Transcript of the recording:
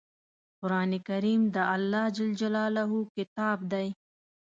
قرآن کریم د الله ﷺ کتاب دی.